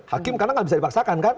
hakim karena nggak bisa dipaksakan kan